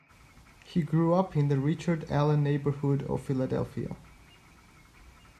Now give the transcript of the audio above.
He grew up in the Richard Allen neighborhood of Philadelphia.